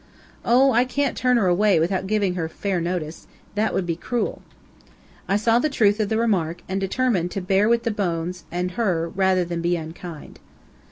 "Oh, I can't turn her away without giving her a fair notice. That would be cruel." I saw the truth of the remark, and determined to bear with the bones and her rather than be unkind.